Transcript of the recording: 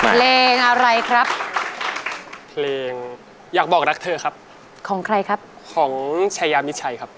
เพลงอะไรครับเพลงอยากบอกรักเธอครับของใครครับของชายามิดชัยครับ